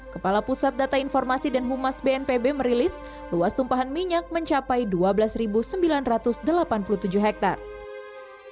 kepala pusat data informasi dan humas bnpb merilis luas tumpahan minyak mencapai dua belas sembilan ratus delapan puluh tujuh hektare